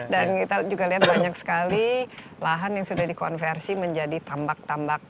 dan kita juga lihat banyak sekali lahan yang sudah dikonversi menjadi tambak tambak